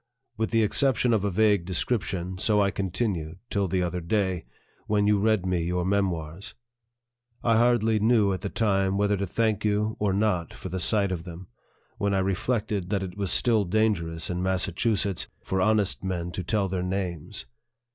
With the exception of a vague description, so I continued, till the other day, when you read me your memoirs. I hardly knew, at the time, whether to thank you or not for the sight of them, when I reflected that it was still dangerous, in Massa chusetts, for honest men to tell their names